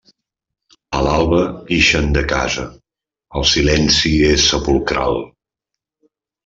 A l'alba ixen de casa: el silenci és sepulcral.